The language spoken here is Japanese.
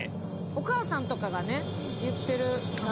お母さんとかがね言ってる。